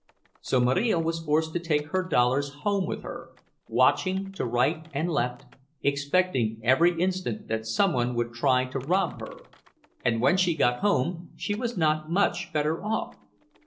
So Marija was forced to take her dollars home with her, watching to right and left, expecting every instant that some one would try to rob her; and when she got home she was not much better off.